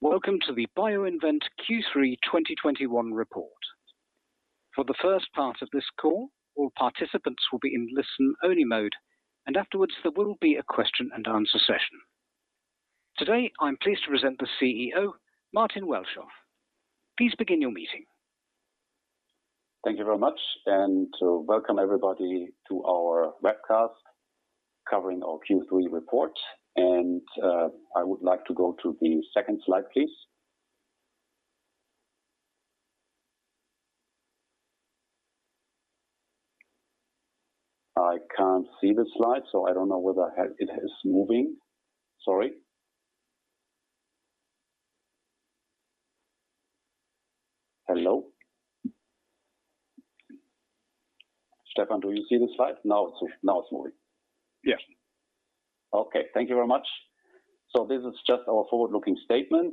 Welcome to the BioInvent Q3 2021 report. For the first part of this call, all participants will be in listen-only mode, and afterwards there will be a question and answer session. Today, I'm pleased to present the CEO, Martin Welschof. Please begin your meeting. Thank you very much, and welcome everybody to our webcast covering our Q3 report. I would like to go to the second slide, please. I can't see the slide, so I don't know whether it's moving. Sorry. Hello? Stefan, do you see the slide? Now it's moving. Yeah. Okay, thank you very much. This is just our forward-looking statement.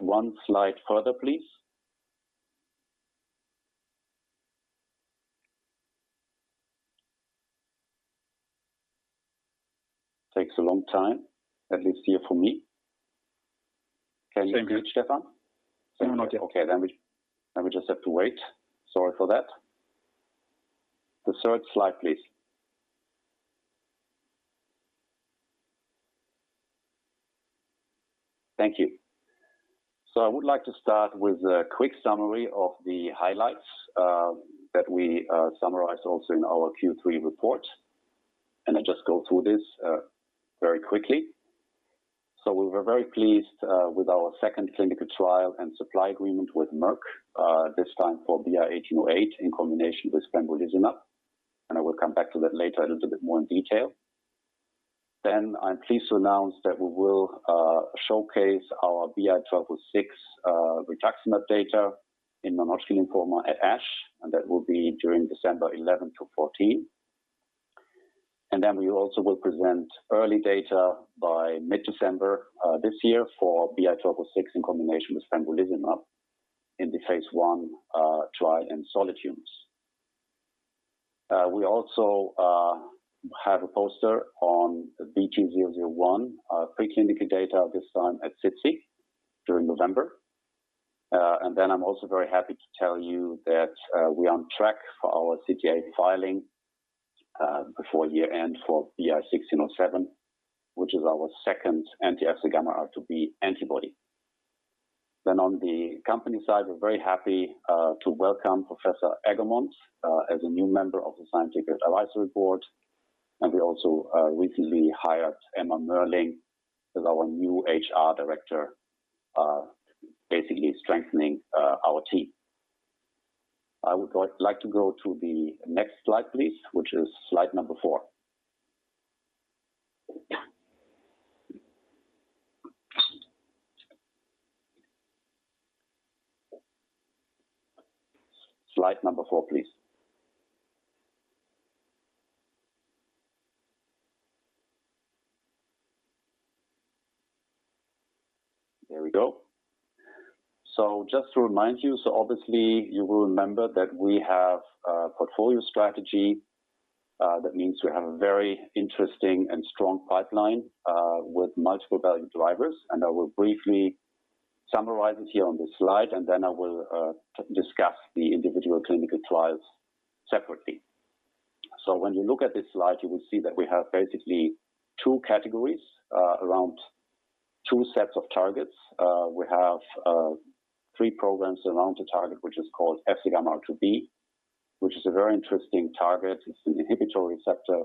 One slide further, please. Takes a long time, at least here for me. Can you? Same here. Stefan? Same here. Okay, then we just have to wait. Sorry for that. The third slide, please. Thank you. I would like to start with a quick summary of the highlights that we summarized also in our Q3 report, and I just go through this very quickly. We were very pleased with our second clinical trial and supply agreement with Merck this time for BI-1808 in combination with pembrolizumab. I will come back to that later in a little bit more in detail. I'm pleased to announce that we will showcase our BI-1206 rituximab data in non-Hodgkin lymphoma at ASH, and that will be during December 11 to 14. We also will present early data by mid-December this year for BI-1206 in combination with pembrolizumab in the phase I trial in solid tumors. We also have a poster on BT-001 preclinical data this time at SITC during November. I'm also very happy to tell you that we're on track for our CTA filing before year-end for BI-1607, which is our second anti-FcγRIIB antibody. On the company side, we're very happy to welcome Professor Eggermont as a new member of the Scientific Advisory Board. We also recently hired Emma Meurling as our new HR director basically strengthening our team. I like to go to the next slide, please, which is slide number four. There we go. Just to remind you, obviously you will remember that we have a portfolio strategy, that means we have a very interesting and strong pipeline, with multiple value drivers. I will briefly summarize it here on this slide, and then I will discuss the individual clinical trials separately. When you look at this slide, you will see that we have basically two categories, around two sets of targets. We have three programs around the target, which is called FcγRIIB, which is a very interesting target. It's an inhibitory receptor,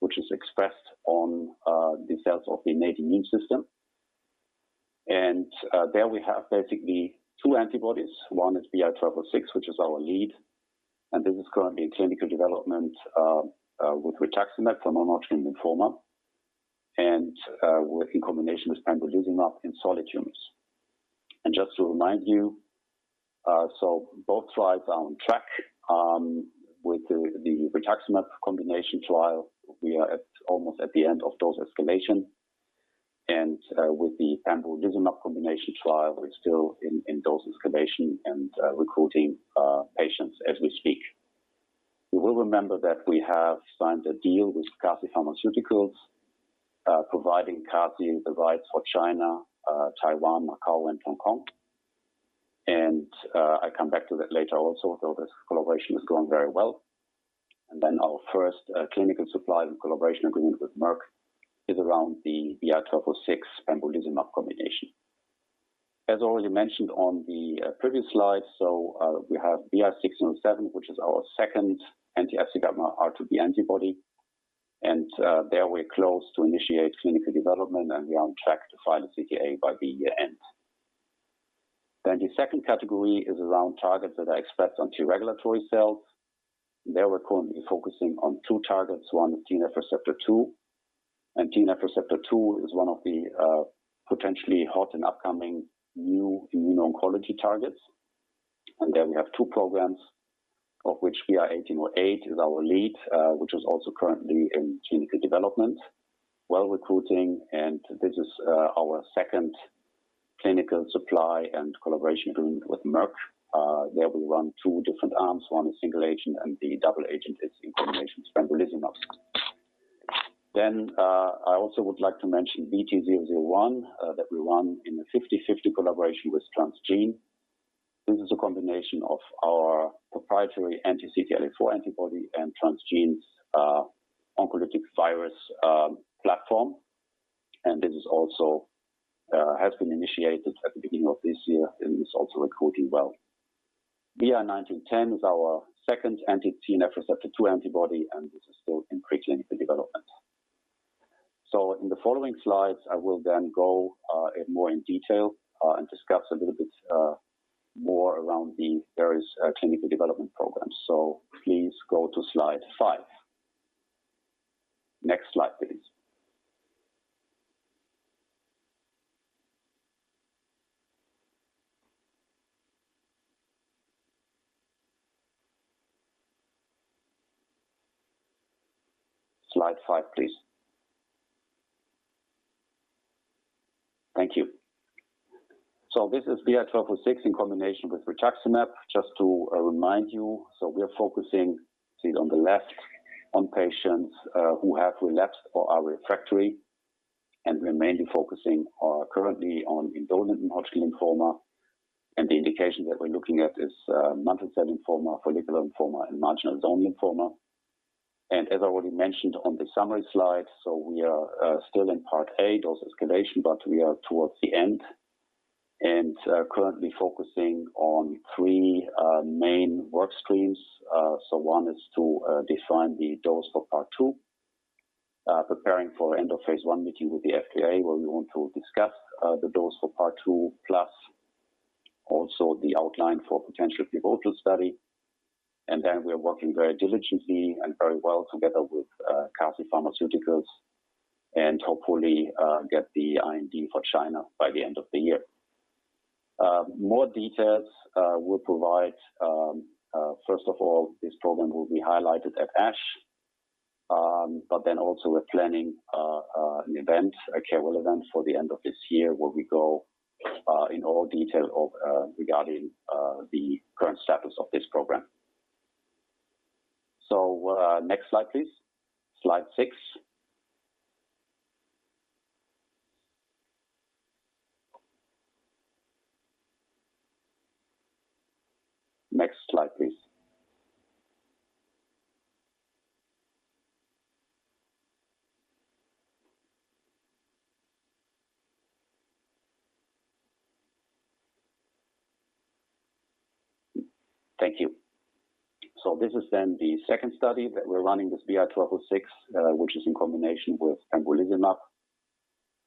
which is expressed on the cells of the innate immune system. There we have basically two antibodies. One is BI-1206, which is our lead, and this is currently in clinical development with rituximab for non-Hodgkin lymphoma and in combination with pembrolizumab in solid tumors. Just to remind you, both trials are on track. With the rituximab combination trial, we are almost at the end of dose escalation. With the pembrolizumab combination trial, we're still in dose escalation and recruiting patients as we speak. You will remember that we have signed a deal with CASI Pharmaceuticals, providing CASI the rights for China, Taiwan, Macau and Hong Kong. I come back to that later also, though this collaboration is going very well. Our first clinical supply and collaboration agreement with Merck is around the BI-1206 pembrolizumab combination. As already mentioned on the previous slide, we have BI-1607, which is our second anti-FcγRIIB antibody. There we're close to initiate clinical development, and we are on track to file a CTA by the year-end. The second category is around targets that are expressed on T-regulatory cells. There we're currently focusing on two targets. One is TNF receptor 2, and TNF receptor 2 is one of the potentially hot and upcoming new immuno-oncology targets. There we have two programs of which BI-1808 is our lead, which is also currently in clinical development, well recruiting. This is our second clinical supply and collaboration agreement with Merck. There we run two different arms. One is single agent and the doublet is in combination with pembrolizumab. Then, I also would like to mention BT-001 that we own in a 50/50 collaboration with Transgene. This is a combination of our proprietary anti-CTLA-4 antibody and Transgene's oncolytic virus platform. This also has been initiated at the beginning of this year, and it's also recruiting well. BI-1910 is our second anti-TNFR2 antibody, and this is still in preclinical development. In the following slides, I will then go into more detail and discuss a little bit more around the various clinical development programs. Please go to slide five. Next slide, please. Slide five, please. Thank you. This is BI-1206 in combination with rituximab, just to remind you. We are focusing, see it on the left, on patients who have relapsed or are refractory and currently focusing on indolent non-Hodgkin lymphoma. The indication that we're looking at is mantle cell lymphoma, follicular lymphoma, and marginal zone lymphoma. As already mentioned on the summary slide, we are still in part A, dose escalation, but we are towards the end and currently focusing on three main work streams. One is to define the dose for part two, preparing for end-of-phase I meeting with the FDA, where we want to discuss the dose for part two, plus also the outline for potential pivotal study. We are working very diligently and very well together with CASI Pharmaceuticals and hopefully get the IND for China by the end of the year. More details, we'll provide. First of all, this program will be highlighted at ASH, but then also we're planning an event, a KOL event for the end of this year, where we go in all detail regarding the current status of this program. Next slide, please. Slide six. Next slide, please. Thank you. This is then the second study that we're running with BI-1206, which is in combination with pembrolizumab,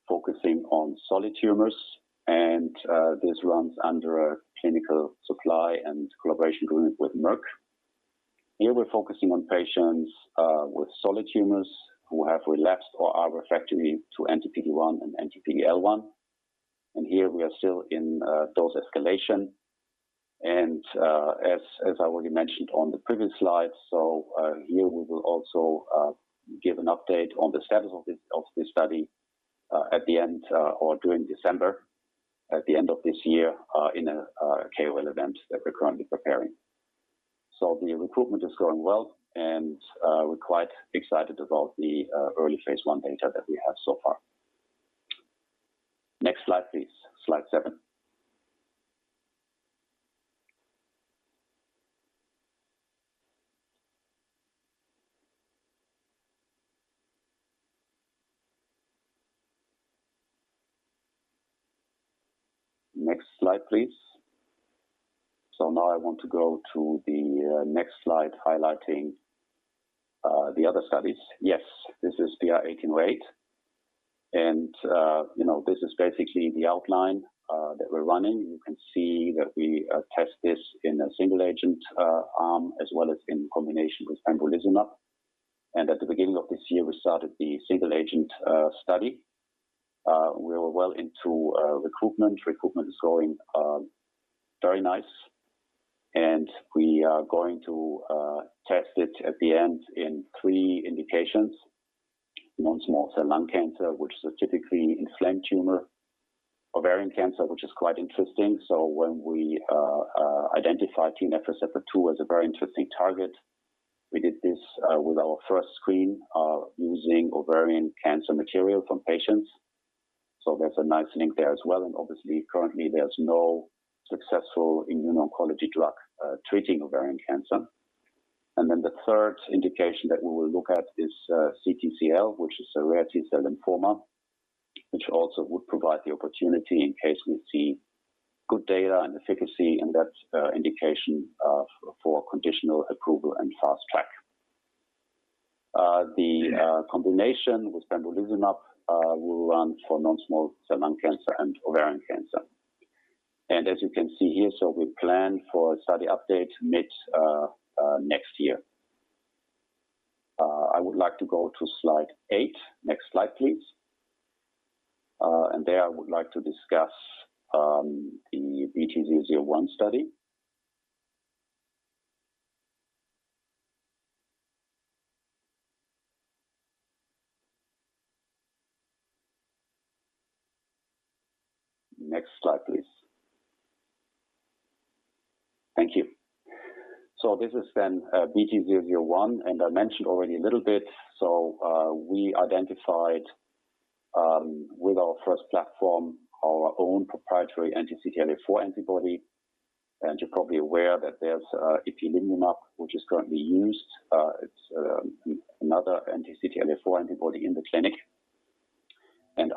focusing on solid tumors. This runs under a clinical supply and collaboration agreement with Merck. Here we're focusing on patients with solid tumors who have relapsed or are refractory to anti-PD-1 and anti-PD-L1. Here we are still in dose escalation. As I already mentioned on the previous slide, here we will also give an update on the status of this study at the end or during December at the end of this year in a KOL event that we're currently preparing. The recruitment is going well, and we're quite excited about the early phase I data that we have so far. Next slide, please. Slide seven. Next slide, please. Now I want to go to the next slide highlighting the other studies. Yes, this is BI-1808. You know, this is basically the outline that we're running. You can see that we test this in a single agent arm, as well as in combination with pembrolizumab. At the beginning of this year, we started the single agent study. We're well into recruitment. Recruitment is going very nice. We are going to test it at the end in three indications. Non-small cell lung cancer, which is a typically inflamed tumor. Ovarian cancer, which is quite interesting. When we identified TNFR2 as a very interesting target, we did this with our first screen using ovarian cancer material from patients. There's a nice link there as well. Obviously, currently, there's no successful immuno-oncology drug treating ovarian cancer. The third indication that we will look at is CTCL, which is a rare T-cell lymphoma, which also would provide the opportunity in case we see good data and efficacy, and that's indication for conditional approval and fast track. The combination with pembrolizumab will run for non-small cell lung cancer and ovarian cancer. As you can see here, we plan for a study update mid next year. I would like to go to slide eight. Next slide, please. There I would like to discuss the BT-001 study. Next slide, please. Thank you. This is then BT-001, and I mentioned already a little bit. We identified with our first platform our own proprietary anti-CTLA-4 antibody. You're probably aware that there's ipilimumab, which is currently used. It's another anti-CTLA-4 antibody in the clinic.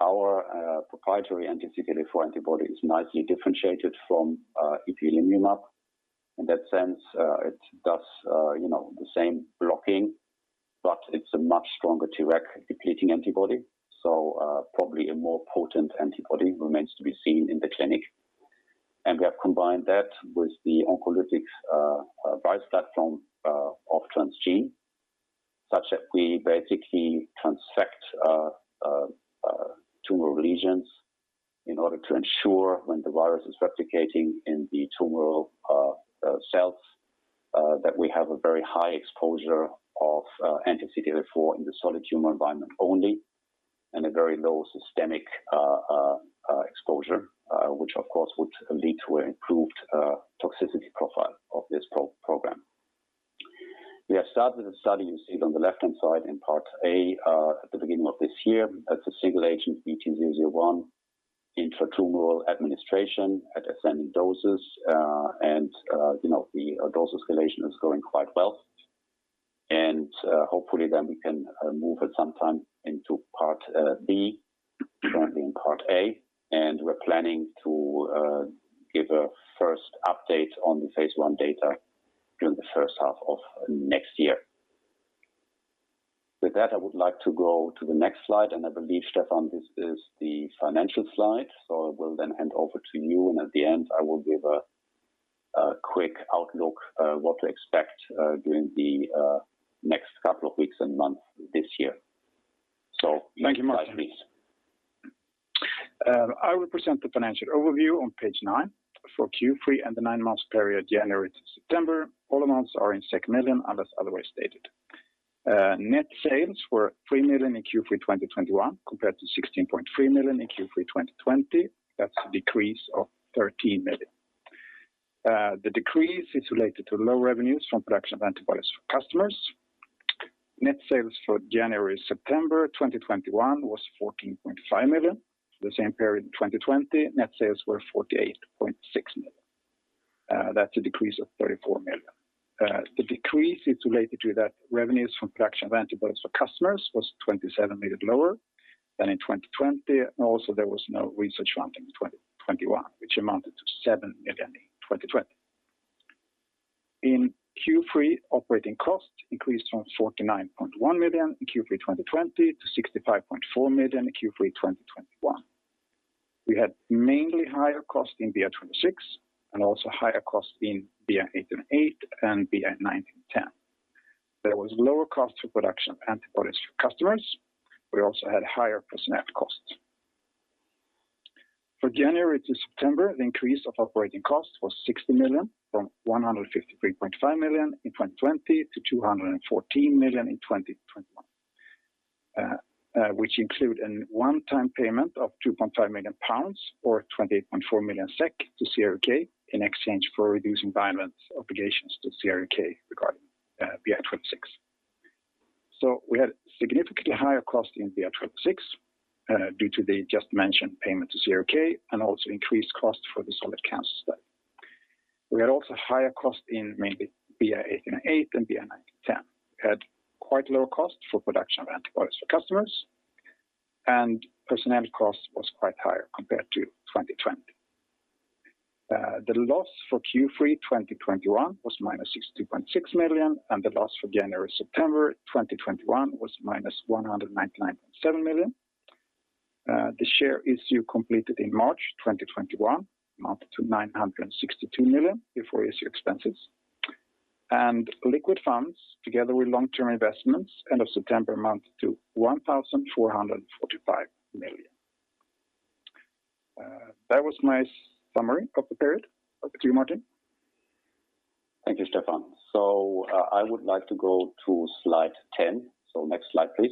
Our proprietary anti-CTLA-4 antibody is nicely differentiated from ipilimumab. In that sense, it does you know the same blocking, but it's a much stronger T-reg depleting antibody. Probably a more potent antibody remains to be seen in the clinic. We have combined that with the oncolytic virus platform of Transgene, such that we basically transfect tumor lesions in order to ensure when the virus is replicating in the tumor cells that we have a very high exposure of anti-CTLA-4 in the solid tumor environment only, and a very low systemic exposure, which of course would lead to an improved toxicity profile of this program. We have started the study you see on the left-hand side in part A at the beginning of this year. That's a single agent BT-001 intratumoral administration at ascending doses. You know, the dose escalation is going quite well. Hopefully then we can move at some time into part B. We're currently in part A, and we're planning to give a first update on the phase I data during the first half of next year. With that, I would like to go to the next slide, and I believe, Stefan, this is the financial slide. I will then hand over to you, and at the end, I will give a quick outlook what to expect during the next couple of weeks and months this year. Next slide, please. Thank you, Martin. I will present the financial overview on page nine for Q3 and the nine-month period, January to September. All amounts are in million, unless otherwise stated. Net sales were 3 million in Q3 2021 compared to 16.3 million in Q3 2020. That's a decrease of 13 million. The decrease is related to low revenues from production of antibodies for customers. Net sales for January-September 2021 was 14.5 million. The same period in 2020, net sales were 48.6 million. That's a decrease of 34 million. The decrease is related to that revenues from production of antibodies for customers was 27 million lower than in 2020. Also there was no research funding in 2021, which amounted to 7 million in 2020. In Q3, operating costs increased from 49.1 million in Q3 2020 to 65.4 million in Q3 2021. We had mainly higher costs in BI-1206 and also higher costs in BI-1808 and BI-1910. There was lower cost for production of antibodies for customers. We also had higher personnel costs. For January to September, the increase of operating costs was 60 million from 153.5 million in 2020 to 214 million in 2021, which include a one-time payment of 2.5 million pounds or 28.4 million SEK to CRUK in exchange for reducing BioInvent's obligations to CRUK regarding BI-1206. We had significantly higher costs in BI-1206 due to the just mentioned payment to CRUK and also increased costs for the solid cancer study. We had also higher costs in mainly BI-1808 and BI-1910. We had quite low costs for production of antibodies for customers, and personnel costs was quite higher compared to 2020. The loss for Q3 2021 was -60.6 million, and the loss for January-September 2021 was -199.7 million. The share issue completed in March 2021 amounted to 962 million before issue expenses. Liquid funds together with long-term investments end of September amounted to 1,445 million. That was my summary of the period. Back to you, Martin. Thank you, Stefan. I would like to go to slide 10. Next slide, please.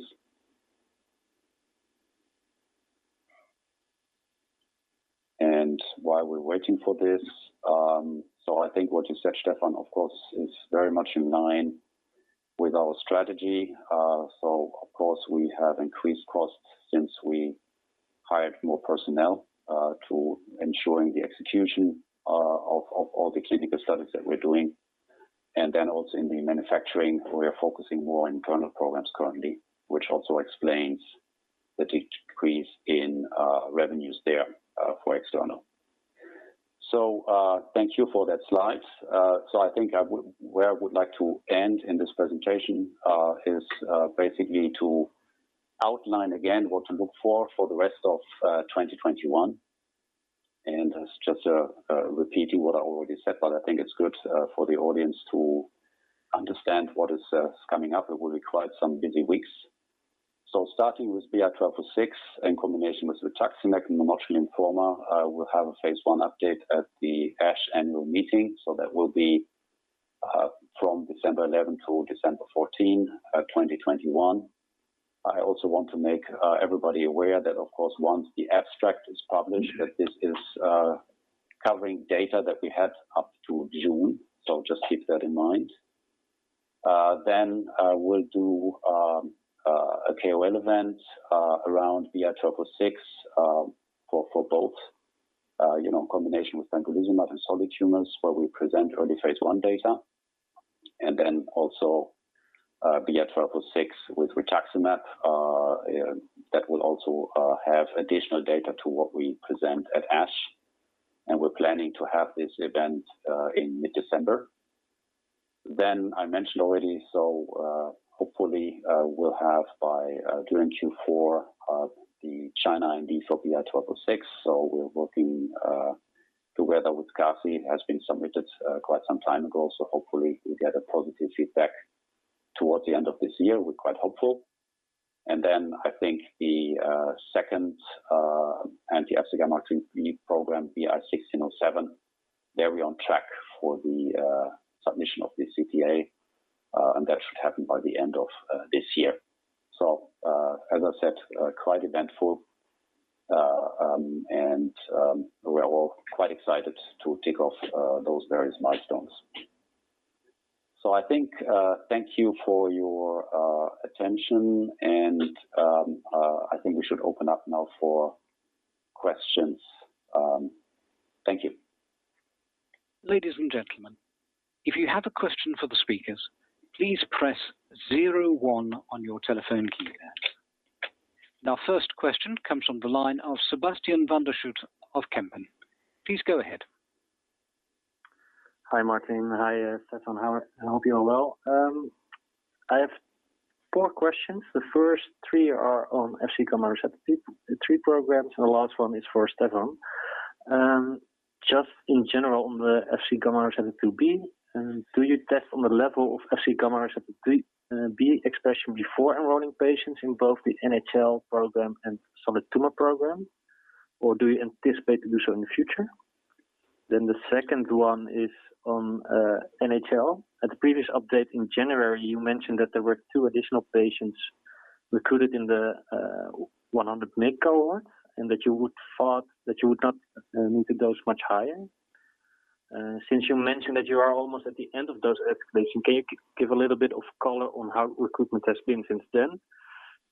While we're waiting for this, I think what you said, Stefan, of course, is very much in line with our strategy. Of course, we have increased costs since we hired more personnel to ensuring the execution of all the clinical studies that we're doing. Then also in the manufacturing, we are focusing more on internal programs currently, which also explains the decrease in revenues there for external. Thank you for that slide. I think where I would like to end in this presentation is basically to outline again what to look for for the rest of 2021. It's just repeating what I already said, but I think it's good for the audience to understand what is coming up. It will require some busy weeks. Starting with BI-1206 in combination with rituximab and non-Hodgkin lymphoma, we'll have a phase I update at the ASH annual meeting. That will be from December 11th to December 14, 2021. I also want to make everybody aware that, of course, once the abstract is published, that this is covering data that we had up to June. Then we'll do a KOL event around BI-1206 for both, you know, in combination with pembrolizumab and solid tumors, where we present early phase I data. Then also BI-1206 with rituximab. You know, that will also have additional data to what we present at ASH, and we're planning to have this event in mid-December. I mentioned already. Hopefully, we'll have by during Q4 the China IND for BI-1206. We're working together with CASI. It has been submitted quite some time ago, so hopefully we get a positive feedback towards the end of this year. We're quite hopeful. I think the second anti-FcγRIIB unique program, BI-1607, there we're on track for the submission of the CTA, and that should happen by the end of this year. As I said, quite eventful. We are all quite excited to tick off those various milestones. I think, thank you for your attention and I think we should open up now for questions. Thank you. Ladies and gentlemen, if you have a question for the speakers, please press star one on your telephone keypad. Our first question comes from the line of Sebastiaan van der Schoot of Kempen. Please go ahead. Hi, Martin. Hi, Stefan. I hope you're all well. I have four questions. The first three are on FcγRIIB, the three programs, and the last one is for Stefan. Just in general, on the FcγRIIB, do you test on the level of FcγRIIB expression before enrolling patients in both the NHL program and solid tumor program, or do you anticipate to do so in the future? The second one is on NHL. At the previous update in January, you mentioned that there were two additional patients recruited in the 100 mg cohort, and that you thought that you would not need to dose much higher. Since you mentioned that you are almost at the end of dose escalation, can you give a little bit of color on how recruitment has been since then,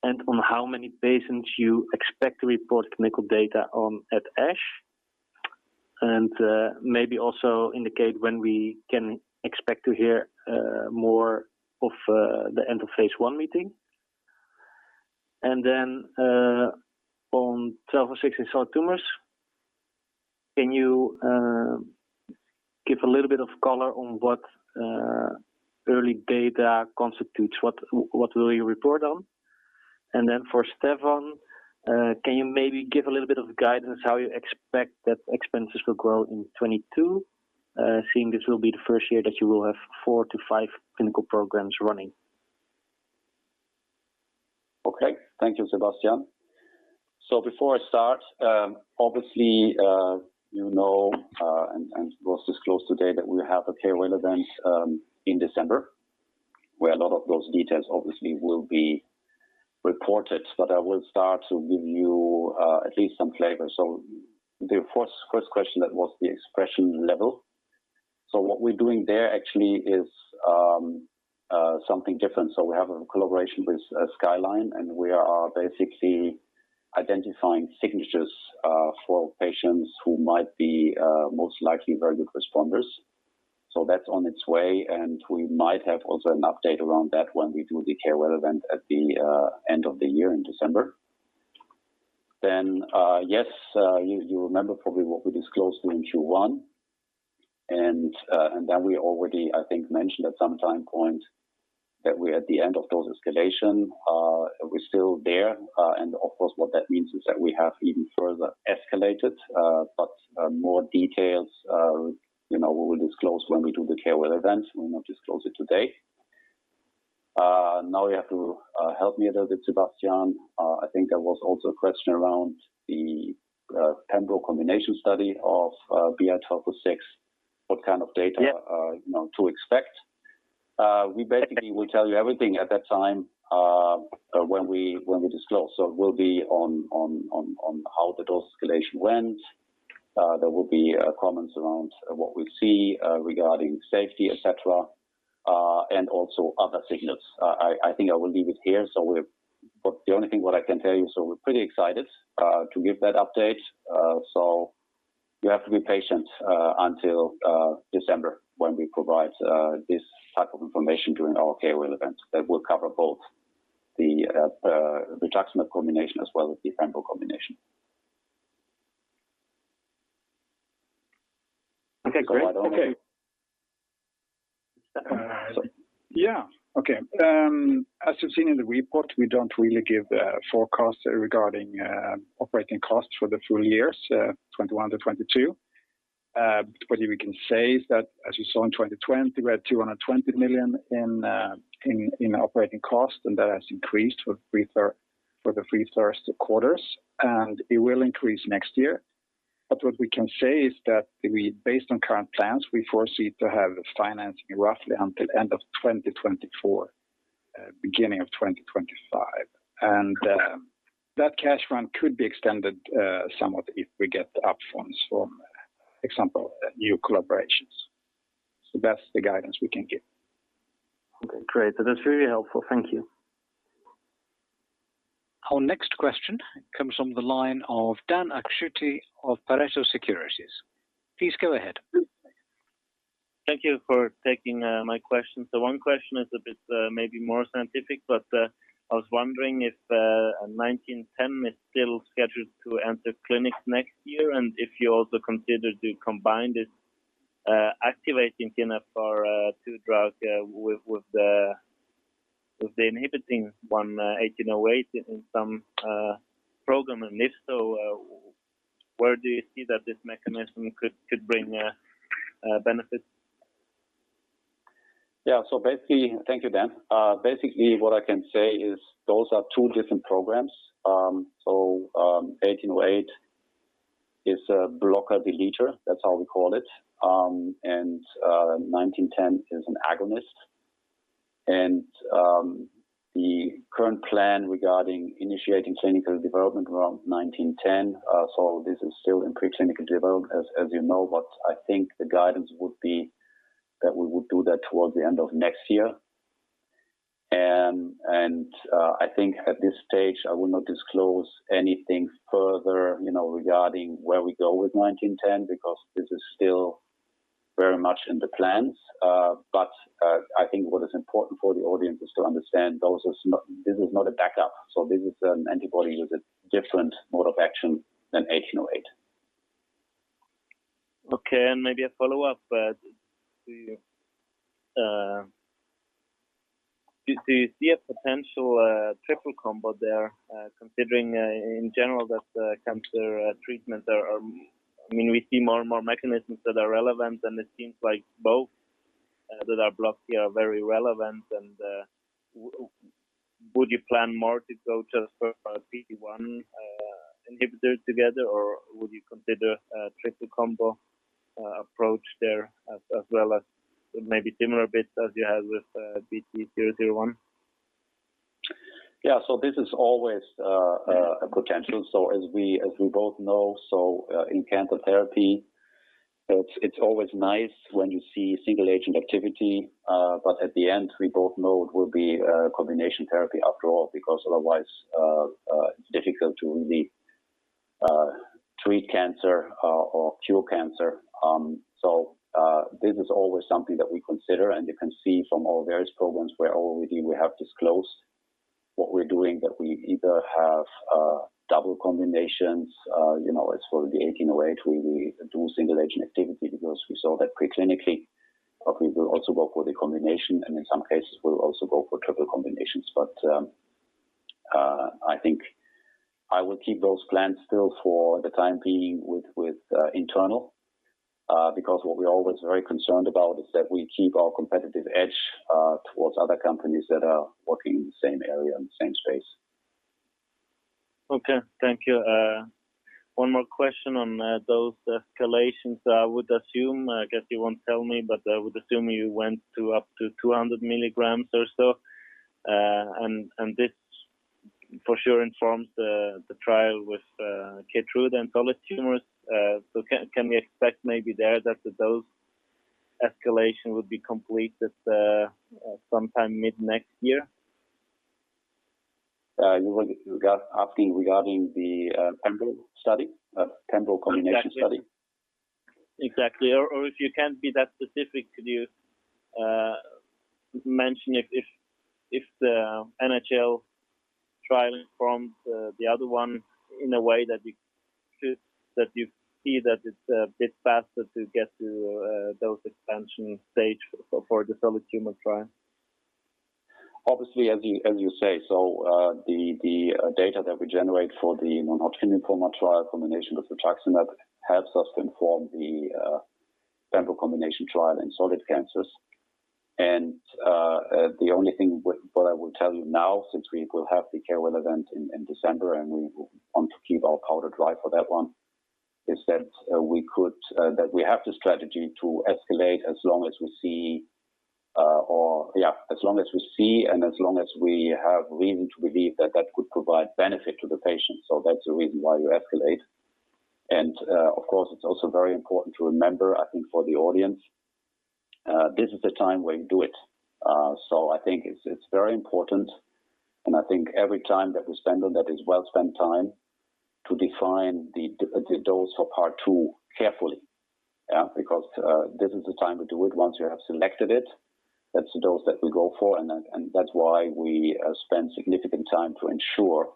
and on how many patients you expect to report clinical data on at ASH? Maybe also indicate when we can expect to hear more of the end-of-phase-I meeting. On BI-1206 in solid tumors, can you give a little bit of color on what early data constitutes? What will you report on? For Stefan, can you maybe give a little bit of guidance how you expect that expenses will grow in 2022, seeing this will be the first year that you will have four to five clinical programs running? Okay. Thank you, Sebastiaan. Before I start, obviously, you know, and it was disclosed today that we have a KOL event in December, where a lot of those details obviously will be reported. I will start to give you at least some flavor. The first question, that was the expression level. What we're doing there actually is something different. We have a collaboration with SciLifeLab, and we are basically identifying signatures for patients who might be most likely very good responders. That's on its way, and we might have also an update around that when we do the KOL event at the end of the year in December. Yes, you remember probably what we disclosed in Q1, and then we already, I think, mentioned at some time point that we're at the end of dose escalation. We're still there. Of course, what that means is that we have even further escalated. More details, you know, we will disclose when we do the KOL event. We will not disclose it today. Now you have to help me a little bit, Sebastiaan. I think there was also a question around the pembro combination study of BI-1206, what kind of data- Yeah. You know what to expect. We basically will tell you everything at that time when we disclose. We'll be on how the dose escalation went. There will be comments around what we see regarding safety, et cetera, and also other signals. I think I will leave it here. The only thing what I can tell you, so we're pretty excited to give that update. You have to be patient until December when we provide this type of information during our KOL event that will cover both the rituximab combination as well as the pembro combination. Okay, great. I don't want to. Okay. Uh- Stefan. Yeah. Okay. As you've seen in the report, we don't really give forecasts regarding operating costs for the full years 2021 to 2022. What we can say is that as you saw in 2020, we had 220 million in operating costs, and that has increased for the first three quarters. It will increase next year. What we can say is that we, based on current plans, we foresee to have financing roughly until end of 2024, beginning of 2025. That cash run could be extended somewhat if we get the up-fronts from example new collaborations. That's the guidance we can give. Okay, great. That's very helpful. Thank you. Our next question comes from the line of Dan Akschuti of Pareto Securities. Please go ahead. Thank you for taking my question. One question is a bit maybe more scientific, but I was wondering if BI-1910 is still scheduled to enter clinic next year, and if you also consider to combine this activating TNFR2 drug with the inhibiting one, BI-1808 in some program? If so, where do you see that this mechanism could bring benefits? Thank you, Dan. Basically, what I can say is those are two different programs. 1808 is a blocker depleter, that's how we call it, and 1910 is an agonist. The current plan regarding initiating clinical development around 1910, this is still in preclinical development as you know, but I think the guidance would be that we would do that towards the end of next year. I think at this stage, I will not disclose anything further, you know, regarding where we go with 1910 because this is still very much in the plans. I think what is important for the audience is to understand this is not a backup. This is an antibody with a different mode of action than 1808. Okay. Maybe a follow-up. Do you see a potential triple combo there, considering in general that cancer treatments are. I mean, we see more and more mechanisms that are relevant, and it seems like both that are blocked here are very relevant. Would you plan more to go just for PD-1 inhibitor together, or would you consider a triple combo approach there as well as maybe similar a bit as you have with BT-001? Yeah. This is always a potential. As we both know, in cancer therapy, it's always nice when you see single-agent activity. At the end, we both know it will be a combination therapy after all, because otherwise, it's difficult to really treat cancer or cure cancer. This is always something that we consider, and you can see from our various programs where already we have disclosed what we're doing, that we either have double combinations. You know, as for the 1808, we do single-agent activity because we saw that preclinically. We will also go for the combination, and in some cases we'll also go for triple combinations. I think I will keep those plans still for the time being with internal because what we're always very concerned about is that we keep our competitive edge towards other companies that are working in the same area and same space. Okay. Thank you. One more question on those escalations. I would assume, I guess you won't tell me, but I would assume you went up to 200 milligrams or so. This for sure informs the trial with KEYTRUDA and solid tumors. Can we expect maybe there that the dose escalation would be complete at sometime mid next year? You're asking regarding the pembro study, pembro combination study? Exactly. If you can't be that specific, could you mention if the NHL trial from the other one in a way that you see that it's a bit faster to get to dose expansion stage for the solid tumor trial? Obviously, as you say. The data that we generate for the mantle cell lymphoma trial combination with rituximab helps us inform the pembro combination trial in solid cancers. The only thing what I will tell you now, since we will have the KOL event in December, and we want to keep our powder dry for that one, is that that we have the strategy to escalate as long as we see and as long as we have reason to believe that that could provide benefit to the patient. That's the reason why you escalate. Of course, it's also very important to remember, I think for the audience, this is the time where you do it. I think it's very important, and I think every time that we spend on that is well-spent time to define the dose for part two carefully. Yeah, because this is the time we do it. Once you have selected it, that's the dose that we go for, and then that's why we spend significant time to ensure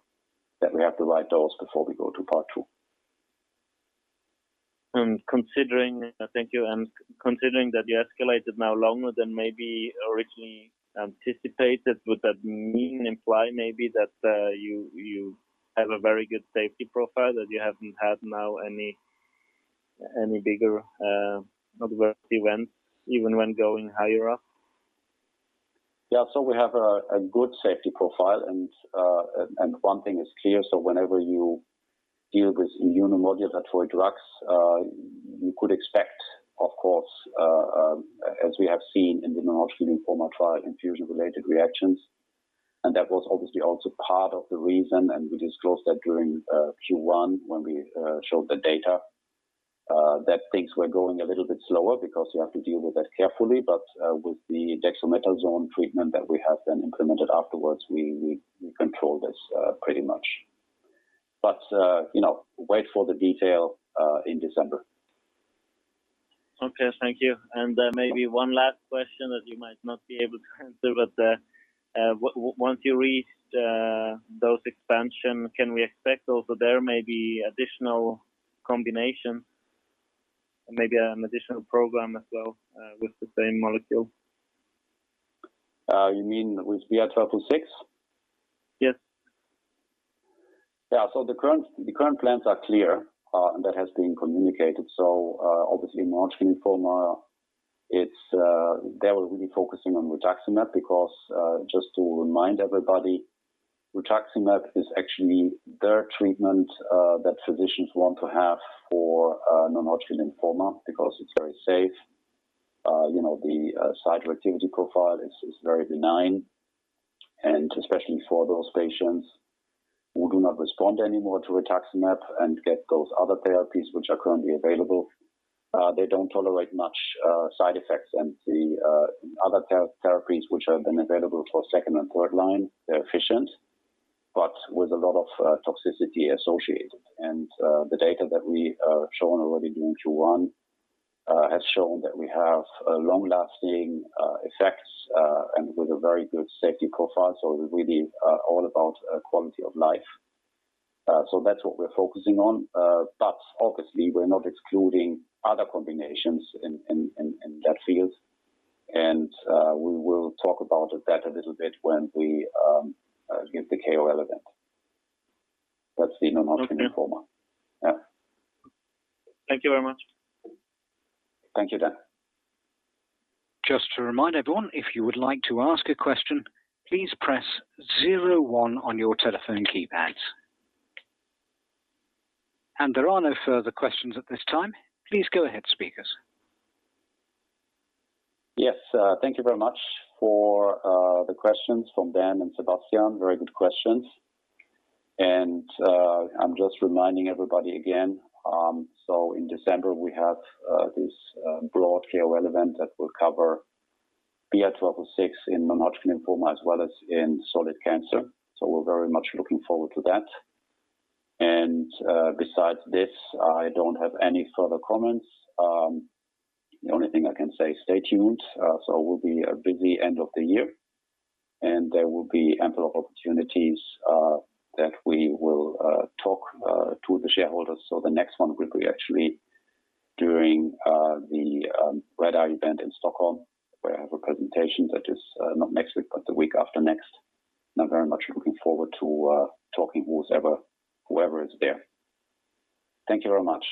that we have the right dose before we go to part two. Thank you. Considering that you escalated now longer than maybe originally anticipated, would that mean imply maybe that you have a very good safety profile that you haven't had now any bigger noteworthy event even when going higher up? Yeah. We have a good safety profile and one thing is clear. Whenever you deal with immunomodulatory drugs, you could expect, of course, as we have seen in the non-Hodgkin lymphoma trial, infusion-related reactions. That was obviously also part of the reason, and we disclosed that during Q1 when we showed the data that things were going a little bit slower because you have to deal with that carefully. You know, wait for the detail in December. Okay. Thank you. Maybe one last question that you might not be able to answer, but once you reach those expansion, can we expect also there may be additional combination, maybe an additional program as well with the same molecule? You mean with BI-1206? Yes. Yeah. The current plans are clear, and that has been communicated. Obviously non-Hodgkin lymphoma, it's they will be focusing on rituximab because, just to remind everybody, rituximab is actually their treatment that physicians want to have for non-Hodgkin lymphoma because it's very safe. You know, the cytotoxicity profile is very benign and especially for those patients who do not respond anymore to rituximab and get those other therapies which are currently available. They don't tolerate much side effects. The other therapies which have been available for second and third line, they're efficient, but with a lot of toxicity associated. The data that we shown already during Q1 has shown that we have long-lasting effects and with a very good safety profile. It's really all about quality of life. That's what we're focusing on. Obviously we're not excluding other combinations in that field. We will talk about that a little bit when we give the KOL event. That's the non-Hodgkin lymphoma. Okay. Yeah. Thank you very much. Thank you, Dan. Just to remind everyone, if you would like to ask a question, please press 01 on your telephone keypads. There are no further questions at this time. Please go ahead, speakers. Yes. Thank you very much for the questions from Dan and Sebastian. Very good questions. I'm just reminding everybody again. In December we have this broad KOL event that will cover BI-1206 in non-Hodgkin lymphoma as well as in solid cancer. We're very much looking forward to that. Besides this, I don't have any further comments. The only thing I can say, stay tuned. It will be a busy end of the year, and there will be ample opportunities that we will talk to the shareholders. The next one will be actually during the Redeye event in Stockholm, where I have a presentation that is not next week, but the week after next. I'm very much looking forward to talking with whoever is there. Thank you very much.